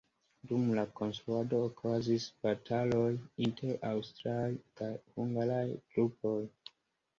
Dum la konstruado okazis bataloj inter aŭstraj kaj hungaraj trupoj.